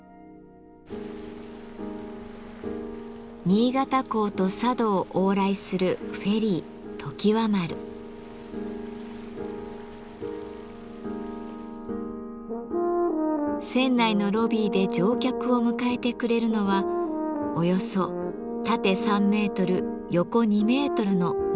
新潟港と佐渡を往来するフェリー船内のロビーで乗客を迎えてくれるのはおよそ縦３メートル横２メートルのレリーフです。